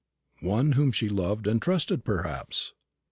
"One whom she loved and trusted, perhaps?"